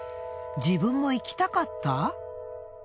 自分も行きたかった？